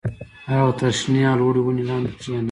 هغه تر شنې او لوړې ونې لاندې کېنه